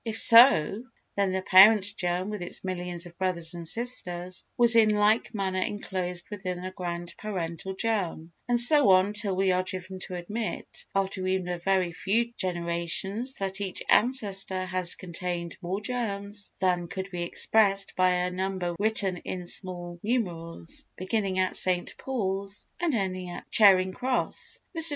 If so, then the parent germ with its millions of brothers and sisters was in like manner enclosed within a grand parental germ, and so on till we are driven to admit, after even a very few generations, that each ancestor has contained more germs than could be expressed by a number written in small numerals, beginning at St. Paul's and ending at Charing Cross. Mr.